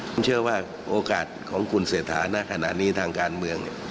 ผมเชื่อว่าโอกาสของคุณเศรษฐานะขณะนี้ทางการเมือง